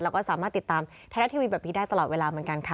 แล้วก็สามารถติดตามไทยรัฐทีวีแบบนี้ได้ตลอดเวลาเหมือนกันค่ะ